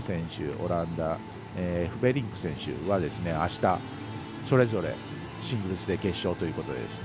オランダのエフベリンク選手はあした、それぞれシングルスで決勝ということで。